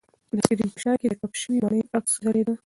د سکرین په شاه کې د کپ شوې مڼې عکس ځلېده.